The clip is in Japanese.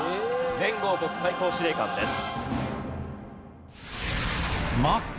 連合国最高司令官です。